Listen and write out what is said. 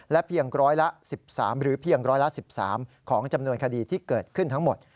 และเพียงร้อยละ๑๓ของจำนวนคดีที่เกิดขึ้นทั้งหมด